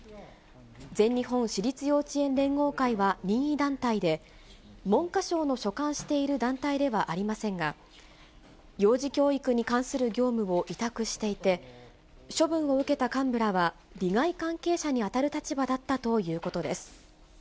全日本私立幼稚園連合会は任意団体で、文科省の所管している団体ではありませんが、幼児教育に関する業務を委託していて、処分を受けた幹部らは、利害関係者に当たる立場だったということです。